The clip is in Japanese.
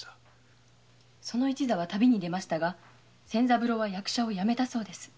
一座は旅に出ましたが仙三郎は役者をやめたそうです。